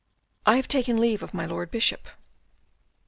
" I have taken leave of my Lord Bishop."